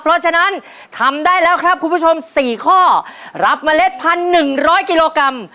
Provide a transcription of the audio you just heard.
เพราะฉะนั้นทำได้แล้วครับคุณผู้ชม๔ข้อรับเมล็ดพันหนึ่งร้อยกิโลกรัม